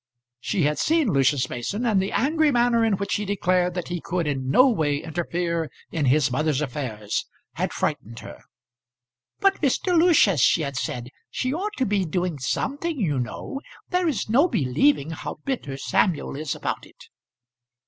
She had seen Lucius Mason, and the angry manner in which he declared that he could in no way interfere in his mother's affairs had frightened her. "But, Mr. Lucius," she had said, "she ought to be doing something, you know. There is no believing how bitter Samuel is about it."